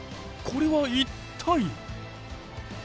これは一体。